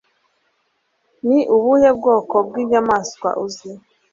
Ni ubuhe bwoko bw'inyamaswa uzi?